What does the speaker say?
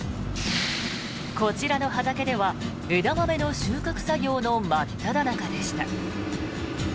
こちらの畑ではエダマメの収穫作業の真っただ中でした。